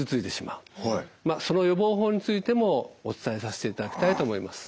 その予防法についてもお伝えさせていただきたいと思います。